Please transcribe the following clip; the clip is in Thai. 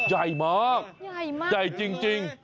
ใหญ่มากใหญ่จริงใหญ่มาก